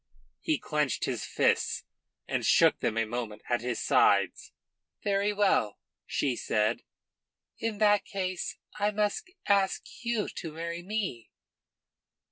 he clenched his fists and shook them a moment at his sides. "Very well," she said. "In that case I must ask you to marry me."